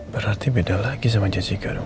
berarti beda lagi sama jessica